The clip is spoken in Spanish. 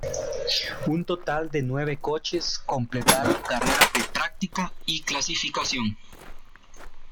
Un total de nueve coches completaron carreras de práctica y clasificación.